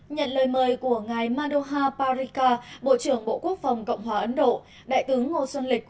nhận lời mời của ngài madoha pariska bộ trưởng bộ quốc phòng cộng hòa ấn độ đại tướng ngô xuân lịch